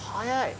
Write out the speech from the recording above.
早い！